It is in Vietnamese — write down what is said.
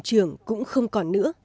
tường cũng không còn nữa